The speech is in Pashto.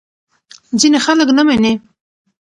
ځینې خلک نه مني.